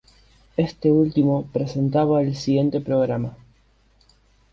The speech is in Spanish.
Este último presentaba el siguiente programa.